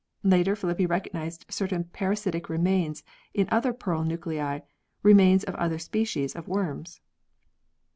Later, Filippi recognised certain parasitic remains in other pearl nuclei re mains of other species of worms.